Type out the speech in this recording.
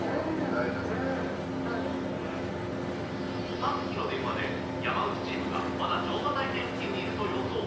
さっきの電話で山内チームがまだ乗馬体験付近にいると予想。